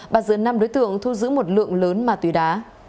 bắt giữ năm đối tượng thu giữ một lượng lớn ma túy đá